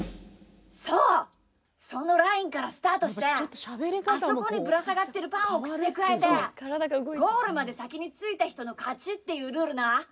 そうそのラインからスタートしてあそこにぶら下がってるパンを口でくわえてゴールまで先に着いた人の勝ちっていうルールな。